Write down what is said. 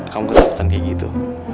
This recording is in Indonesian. kamu ketakutan kayak gitu